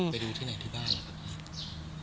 ไปดูที่ไหนที่บ้าน